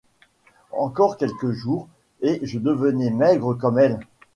Encore quelques jours et je devenais maigre comme elle !